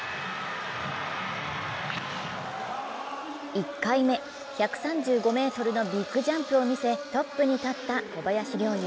１回目、１３５ｍのビッグジャンプを見せ、トップに立った小林陵侑。